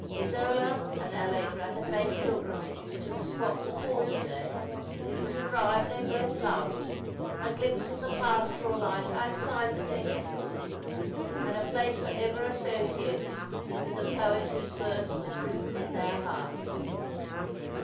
Isola and Allegra had made pilgrimages to the spot before to day. It was a drive they both loved, a glimpse of the pastoral life outside the gates of the city, and a place for ever associated with the poet whose verse was written in their hearts.